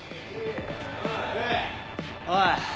おい。